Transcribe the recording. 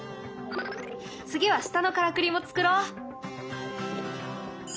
次は下のからくりも作ろう。